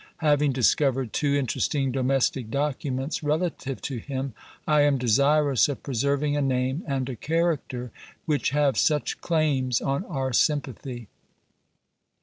Having discovered two interesting domestic documents relative to him, I am desirous of preserving a name and a character which have such claims on our sympathy.